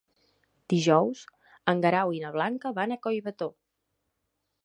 Dijous en Guerau i na Blanca van a Collbató.